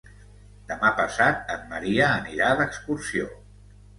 Demà passat en Maria anirà d'excursió.